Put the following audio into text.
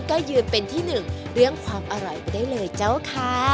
ก็ยืนเป็นที่หนึ่งเรื่องความอร่อยไปได้เลยเจ้าค่ะ